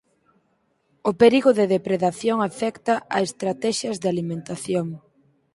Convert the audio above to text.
O perigo de depredación afecta as estratexias de alimentación.